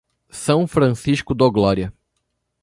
São Francisco do Glória